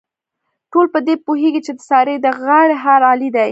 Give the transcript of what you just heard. ټول په دې پوهېږي، چې د سارې د غاړې هار علي دی.